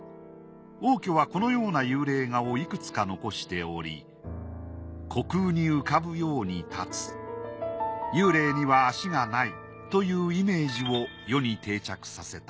応挙はこのような幽霊画をいくつか遺しており虚空に浮かぶように立つ幽霊には足がないというイメージを世に定着させた。